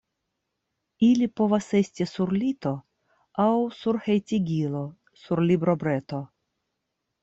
Ili povas esti sur lito aŭ sur hejtigilo, sur librobreto.